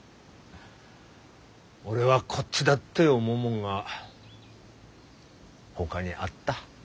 俺はこっちだって思うもんがほかにあった。